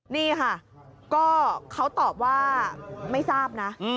นี่ค่ะก็เขาตอบว่าไม่ทราบนะ